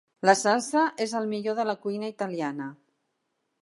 La salsa és el millor de la cuina italiana.